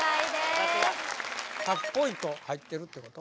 ナイス１００ポイント入ってるってこと？